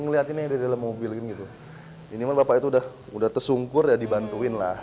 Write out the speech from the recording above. ngelihat ini di dalam mobil ini gitu ini bapak itu udah udah tersungkur ya dibantuin lah